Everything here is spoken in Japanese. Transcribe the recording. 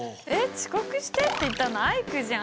「遅刻して」って言ったのアイクじゃん。